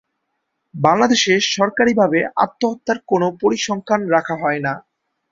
বাংলাদেশে সরকারিভাবে আত্মহত্যার কোনো পরিসংখ্যান রাখা হয় না।